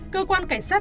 cơ quan cảnh sát